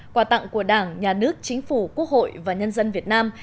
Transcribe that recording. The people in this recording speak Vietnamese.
quà tặng của đảng nhà nước chính phủ quốc hội và nhân dân việt nam